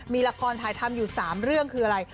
มีละครถ่ายทำอยู่๓เรื่องคืออะไร